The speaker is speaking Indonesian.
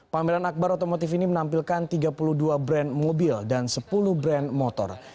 pameran akbar otomotif ini menampilkan tiga puluh dua brand mobil dan sepuluh brand motor